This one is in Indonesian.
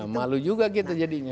malu juga kita jadinya